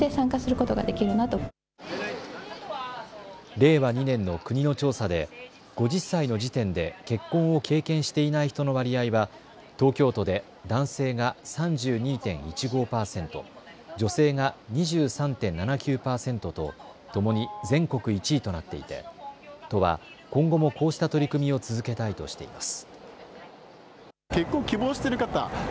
令和２年の国の調査で５０歳の時点で結婚を経験していない人の割合は東京都で男性が３２．１５％、女性が２３．７９％とともに全国１位となっていて都は今後もこうした取り組みを続けたいとしています。